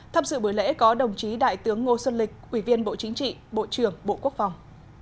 tham dự buổi lễ có đồng chí đại tướng ngô xuân lịch ủy viên bộ chính trị bộ trưởng bộ quốc phòng